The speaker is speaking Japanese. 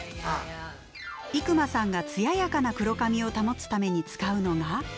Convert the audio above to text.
伊熊さんが艶やかな黒髪を保つために使うのが。